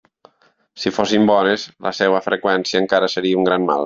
Si fossin bones, la seva freqüència encara seria un gran mal.